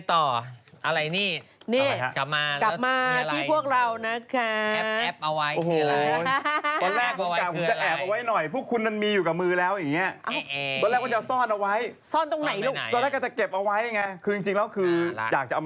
แต่กรุงเทพตกจริงนะตก